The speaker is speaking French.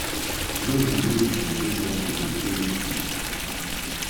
Deux joueuses sont exemptées de premier tour.